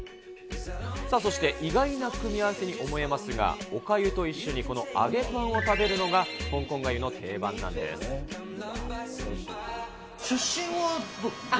そして意外な組み合わせに思えますが、おかゆと一緒にこの揚げパンを食べるのが、香港がゆの定番出身はどちら？